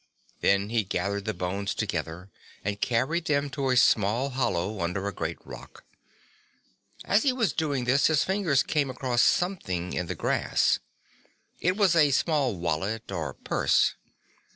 Then he gathered the bones together and carried them to a small hollow under a great rock. As he was doing this, his fingers came across something in the grass. It was a small wallet or purse.